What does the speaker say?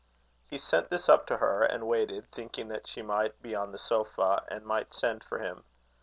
He sent this up to her, and waited, thinking that she might be on the sofa, and might send for him.